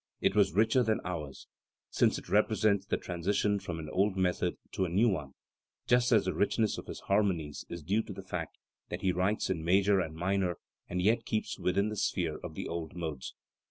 It was richer than ours, since it represents the transition from an old method to a new one, just as the richness of his harmonies is due to the fact that he writes in major and minor and yet keeps within the sphere of the old modes.